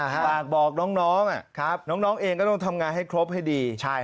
ฝากบอกน้องน้องเองก็ต้องทำงานให้ครบให้ดี